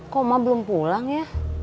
kok emak belum pulang ya